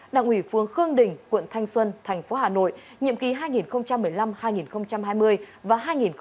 đảng ủy phương khương đình quận thanh xuân thành phố hà nội nhiệm ký hai nghìn một mươi năm hai nghìn hai mươi và hai nghìn hai mươi hai nghìn hai mươi năm